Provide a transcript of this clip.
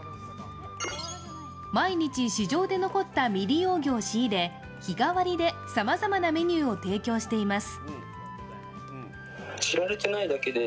毎日市場で残った未利用魚を仕入れ、日替わりでさまざまなメニューを提供しています。